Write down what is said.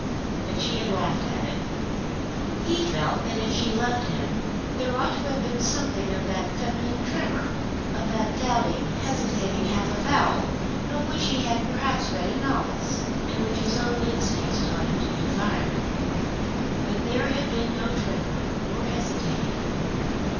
But she had laughed at him. He felt that if she loved him, there ought to have been something of that feminine tremor, of that doubting, hesitating half avowal of which he had perhaps read in novels, and which his own instincts taught him to desire. But there had been no tremor nor hesitating.